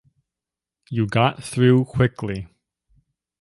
You got through quickly.